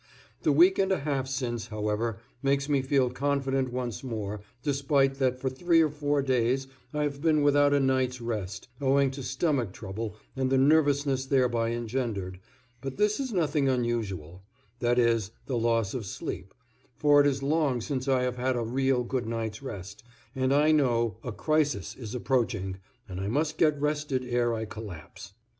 The week and a half since, however, makes me feel confident once more, despite that for three or four days I have been without a night's rest, owing to stomach trouble and the nervousness thereby engendered, but this is nothing unusual, that is, the loss of sleep, for it is long since I have had a real good night's rest, and I know a crisis is approaching and I must get rested ere I collapse.